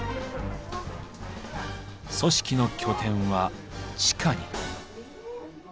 組織の拠点は地下に。